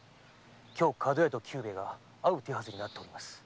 今日角屋と久兵衛が会う手はずになっています。